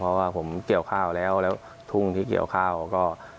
เพราะว่าผมเกี่ยวข้าวแล้วแล้วทุ่งที่เกี่ยวข้าวก็